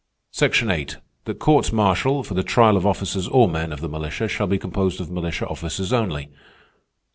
"'Section Eight, that courts martial, for the trial of officers or men of the militia, shall be composed of militia officers only.